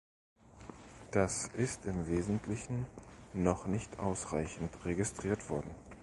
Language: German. Das ist im Wesentlichen noch nicht ausreichend registriert worden.